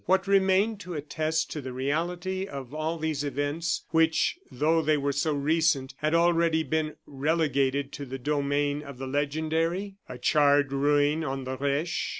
What remained to attest the reality of all these events, which, though they were so recent, had already been relegated to the domain of the legendary? A charred ruin on the Reche.